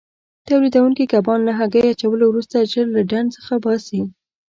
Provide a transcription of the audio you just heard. تولیدوونکي کبان له هګۍ اچولو وروسته ژر له ډنډ څخه باسي.